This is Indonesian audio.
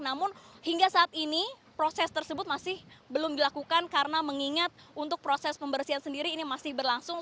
namun hingga saat ini proses tersebut masih belum dilakukan karena mengingat untuk proses pembersihan sendiri ini masih berlangsung